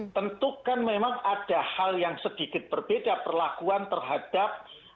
tentu kan memang ada hal yang sedikit berbeda perlakuan terhadap